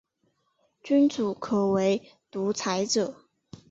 君主可为独裁者。